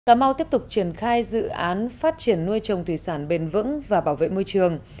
cà mau tiếp tục triển khai dự án phát triển nuôi trồng thủy sản bền vững và bảo vệ môi trường